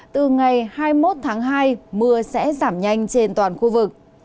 từ ngày hai mươi một tháng hai mưa sẽ giảm nhanh trên toàn khu vực